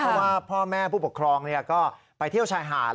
เพราะว่าพ่อแม่ผู้ปกครองก็ไปเที่ยวชายหาด